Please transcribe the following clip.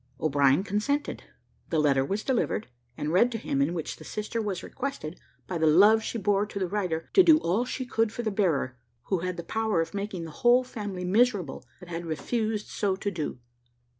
O'Brien consented; the letter was delivered, and read to him, in which the sister was requested, by the love she bore to the writer, to do all she could for the bearer, who had the power of making the whole family miserable, but had refused so to do.